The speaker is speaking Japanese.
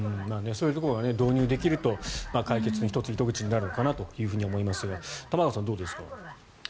そういうところが導入できると解決の１つの糸口になるのかなと思いますが玉川さん、どうですか？